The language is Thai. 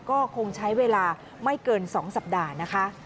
ก็คงใช้เวลาไม่เกิน๒สัปดาห์นะคะ